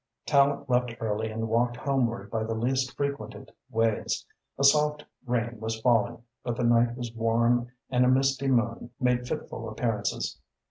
Tallente left early and walked homeward by the least frequented ways. A soft rain was falling, but the night was warm and a misty moon made fitful appearances.